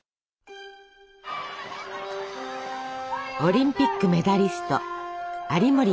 オリンピックメダリスト